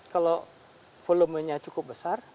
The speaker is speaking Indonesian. kalau volumenya cukup besar